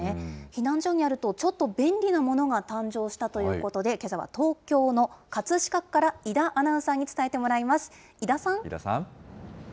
避難所にあると、ちょっと便利なものが誕生したということで、けさは東京の葛飾区から井田アナウンサーに伝えてもらいます。